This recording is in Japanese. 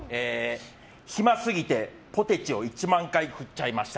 暇すぎてポテチを１万回振っちゃいました。